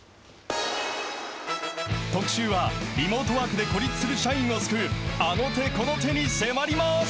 特集は、リモートワークで孤立する社員を救う、あの手この手に迫ります。